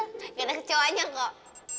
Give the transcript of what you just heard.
enggak ada kecewaannya kok